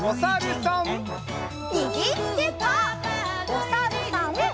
おさるさん。